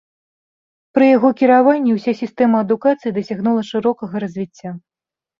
Пры яго кіраванні ўся сістэма адукацыі дасягнула шырокага развіцця.